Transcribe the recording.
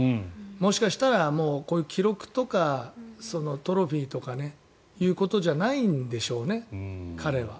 もしかしたらこういう記録とかトロフィーとかということじゃないんでしょうね、彼は。